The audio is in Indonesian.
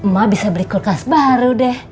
mama bisa beli kulkas baru deh